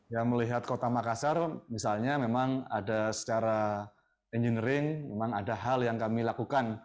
yang melihat kota makassar misalnya memang ada secara engineering memang ada hal yang kami lakukan